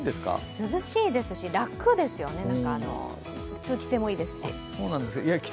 涼しいですし、楽ですよね、通気性もいいですし。